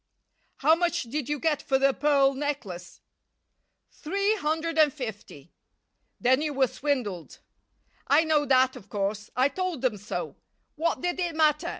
"How much did you get for the pearl necklace?" "Three hundred and fifty." "Then you were swindled." "I know that, of course. I told them so. What did it matter?